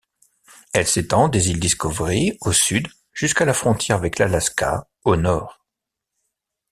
Elle s'étend des îles Discovery au sud jusqu'à la frontière avec l'Alaska au nord.